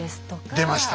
出ました